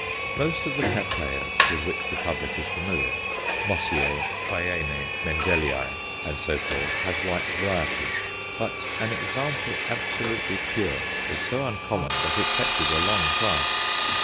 Most of the Cattleyas with which the public is familiar Mossiæ, Trianæ, Mendellii, and so forth have white varieties; but an example absolutely pure is so uncommon that it fetches a long price.